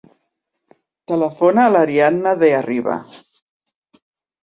Telefona a l'Ariadna De Arriba.